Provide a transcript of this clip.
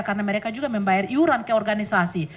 karena mereka juga membayar iuran ke organisasi